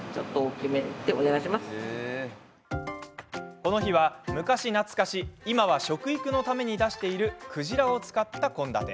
この日は、昔懐かし今は食育のために出している鯨を使った献立。